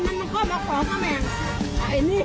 มันก็มันก็มักของนะแม่งไอ้เนี้ย